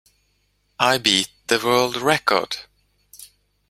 I beat the world record!